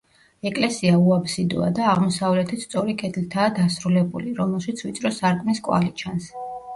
ეკლესია უაბსიდოა და აღმოსავლეთით სწორი კედლითაა დასრულებული, რომელშიც ვიწრო სარკმლის კვალი ჩანს.